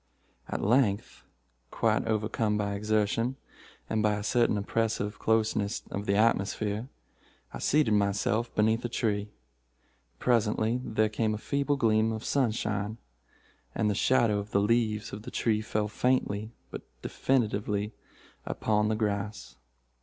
"At length, quite overcome by exertion, and by a certain oppressive closeness of the atmosphere, I seated myself beneath a tree. Presently there came a feeble gleam of sunshine, and the shadow of the leaves of the tree fell faintly but definitely upon the grass.